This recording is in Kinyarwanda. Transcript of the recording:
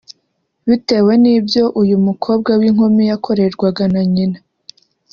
bitewe n’ibyo uyu mukobwa w’inkumi yakorerwaga na Nyina